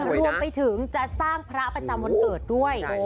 รวมไปถึงจะสร้างพระประจำวันเกิดด้วย